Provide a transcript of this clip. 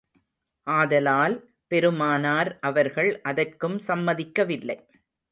ஆதலால், பெருமானார் அவர்கள் அதற்கும் சம்மதிக்கவில்லை.